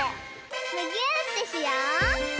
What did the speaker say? むぎゅーってしよう！